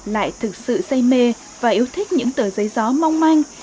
lại thực sự say mê và yêu thích những tờ giấy gió mong manh